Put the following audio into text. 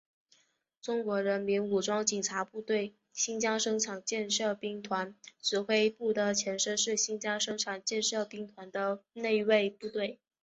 中国人民武装警察部队新疆生产建设兵团指挥部的前身是新疆生产建设兵团的内卫部队。